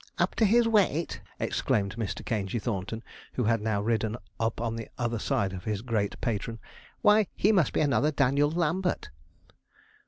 'Up to his weight!' exclaimed Mr. Caingey Thornton, who had now ridden up on the other side of his great patron, 'why, he must be another Daniel Lambert.'